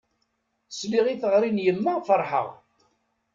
Sliɣ i teɣri n yemma ferḥeɣ.